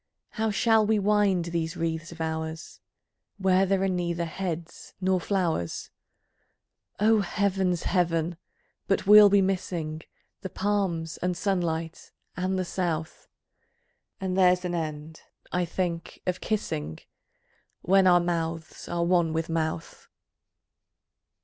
How shall we wind these wreaths of ours, Where there are neither heads nor flowers? Oh, Heaven's Heaven! but we'll be missing The palms, and sunlight, and the south; And there's an end, I think, of kissing, When our mouths are one with Mouth....